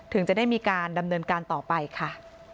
ถึงจะได้มีการดำเนินการต่อไปค่ะ